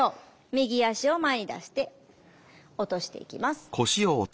右足を前に出して落としていきます。